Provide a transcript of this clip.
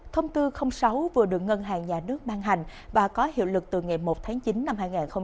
thông tư sáu vừa được ngân hàng nhà nước ban hành và có hiệu lực từ ngày một tháng chín năm hai nghìn hai mươi